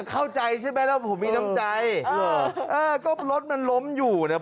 เข้าใจใช่ไหมแล้วผมมีน้ำใจเออก็รถมันล้มอยู่เนี่ย